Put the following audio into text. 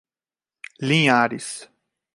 Linhares